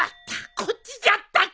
こっちじゃったか